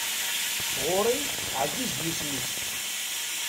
Ɣur-i ɛziz yisem-is.